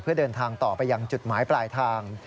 เพื่อเดินทางต่อไปยังจุดหมายปลายทาง